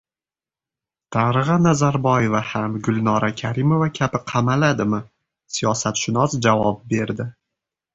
Darig‘a Nazarboyeva ham Gulnora Karimova kabi qamaladimi? Siyosatshunos javob berdi